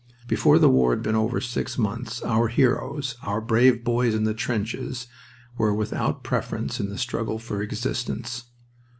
Before the war had been over six months "our heroes," "our brave boys in the trenches" were without preference in the struggle for existence.